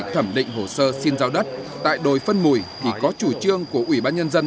thẩm định hồ sơ xin giao đất tại đồi phân mùi thì có chủ trương của ủy ban nhân dân